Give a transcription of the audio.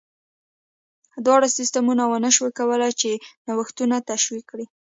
دواړو سیستمونو ونه شوای کولای چې نوښتونه تشویق کړي.